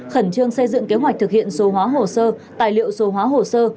khẩn trương xây dựng kế hoạch thực hiện số hóa hồ sơ tài liệu số hóa hồ sơ